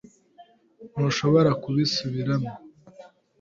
Ntushobora kubisubiramo?